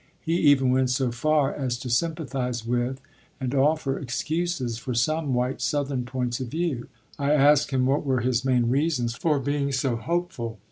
He even went so far as to sympathize with and offer excuses for some white Southern points of view. I asked him what were his main reasons for being so hopeful.